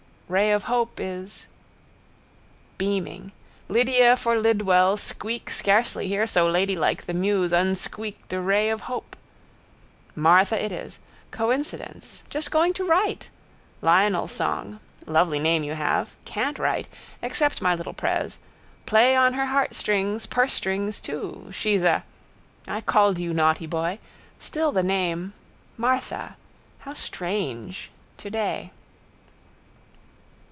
—... ray of hope is... Beaming. Lydia for Lidwell squeak scarcely hear so ladylike the muse unsqueaked a ray of hopk. Martha it is. Coincidence. Just going to write. Lionel's song. Lovely name you have. Can't write. Accept my little pres. Play on her heartstrings pursestrings too. She's a. I called you naughty boy. Still the name: Martha. How strange! Today.